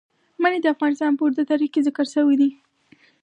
منی د افغانستان په اوږده تاریخ کې ذکر شوی دی.